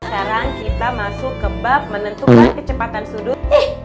sekarang kita masuk ke bab menentukan kecepatan sudut